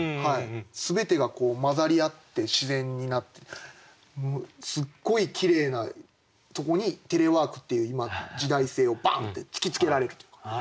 全てが混ざり合って自然になってすっごいきれいなとこにテレワークっていう今時代性をバンって突きつけられるというか。